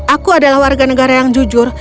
aku adalah warga negara yang jujur